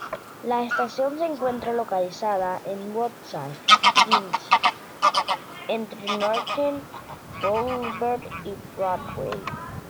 La estación se encuentra localizada en Woodside, Queens entre Northern Boulevard y Broadway.